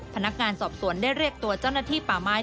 พนักงานสอบสวนได้เรียกตัวเจ้าหน้าที่ป่าไม้